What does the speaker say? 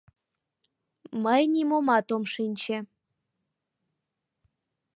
Мый нимомат ом шинче...